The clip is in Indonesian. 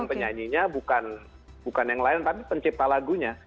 penyanyinya bukan yang lain tapi pencipta lagunya